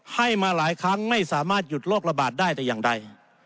ให้มาหลายครั้งไม่สามารถหยุดโรคระบาดได้แต่อย่างใด